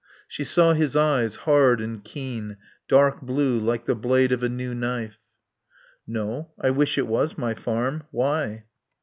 She saw his eyes, hard and keen, dark blue, like the blade of a new knife. "No. I wish it was my farm. Why?"